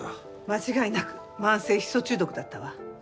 間違いなく慢性ヒ素中毒だったわ。